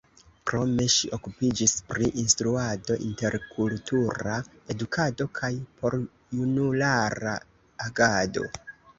Krome ŝi okupiĝis pri instruado, interkultura edukado kaj porjunulara agado.